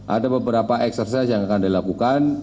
ada beberapa eksersis yang akan dilakukan